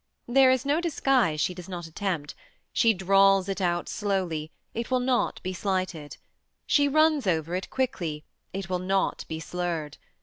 There is no disguise she does not attempt: she drawls it out slowly, it will not be slighted. She runs it over quickly, it will not be slurred.